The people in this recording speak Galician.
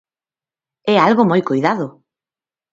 É algo moi coidado.